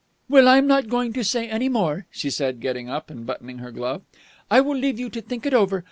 "Well, I am not going to say any more," she said, getting up and buttoning her glove. "I will leave you to think it over.